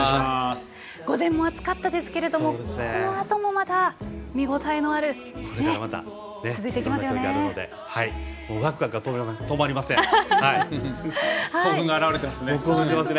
午前も熱かったですけどもこのあともまだ見応えのある競技が続きますね。